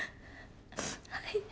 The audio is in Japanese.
はい。